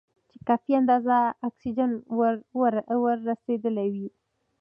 چې کافي اندازه اکسیجن ور رسېدلی وي.